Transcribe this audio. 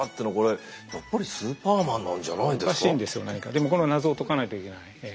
でもこの謎を解かないといけないんです。